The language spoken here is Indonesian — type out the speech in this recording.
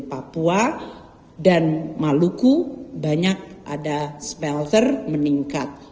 papua dan maluku banyak ada smelter meningkat